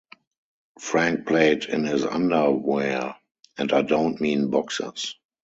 Frank played in his underwear, and I don't mean boxers.